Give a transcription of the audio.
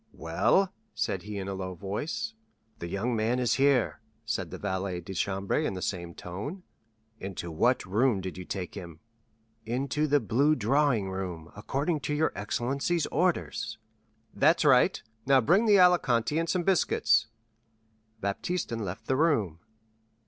"Well?" said he in a low voice. "The young man is here," said the valet de chambre in the same tone. "Into what room did you take him?" "Into the blue drawing room, according to your excellency's orders." "That's right; now bring the Alicante and some biscuits." Baptistin left the room.